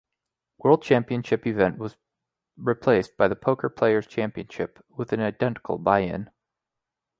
World Championship event was replaced by The Poker Player's Championship, with an identical buy-in.